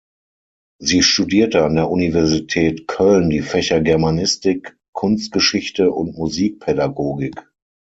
Sie studierte an der Universität Köln die Fächer Germanistik, Kunstgeschichte und Musikpädagogik.